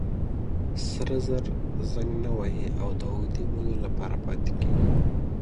سره زر زنګ نه وهي او د اوږدې مودې لپاره پاتې کېږي.